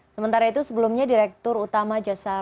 sementara itu sebelumnya direktur utama jasa marga